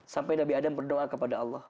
sampai nabi adam berdoa kepada allah